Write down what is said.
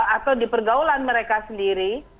atau di pergaulan mereka sendiri